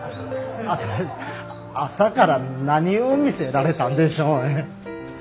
朝から何を見せられたんでしょうね。